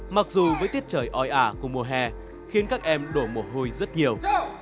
mặc dù với tiết trời oi ả của mùa hè khiến các em đổ mồ hôi rất nhiều